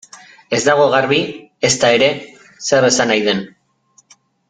Ez dago garbi, ezta ere, zer esan nahi den.